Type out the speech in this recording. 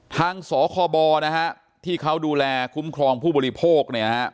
ทางสคบนะฮะที่เขาดูแลคุ้มครองผู้บริโภคเนี่ยฮะ